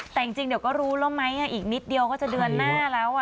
แต่จริงเดี๋ยวก็รู้แล้วไหมอีกนิดเดียวก็จะเดือนหน้าแล้ว